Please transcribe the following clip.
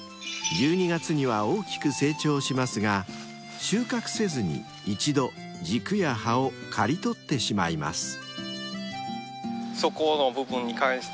［１２月には大きく成長しますが収穫せずに一度軸や葉を刈り取ってしまいます］